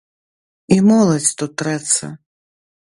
І моладзь тут трэцца.